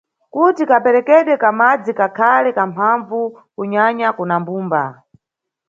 Kuti kaperekedwe ka madzi kakhale kamphambvu kunyanya kuna mbumba.